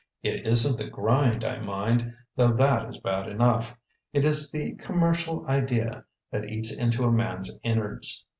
It isn't the grind I mind, though that is bad enough; it is the 'Commercial Idea' that eats into a man's innards.